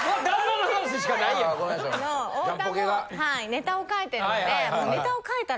ネタを書いてるんで。